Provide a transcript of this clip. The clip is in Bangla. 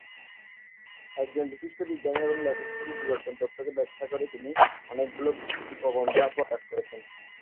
একজন বিশিষ্ট বিজ্ঞানী ও লেখক হিসেবে বিবর্তন তত্ত্বকে ব্যাখ্যা করে তিনি অনেকগুলো প্রবন্ধ প্রকাশ করেছেন।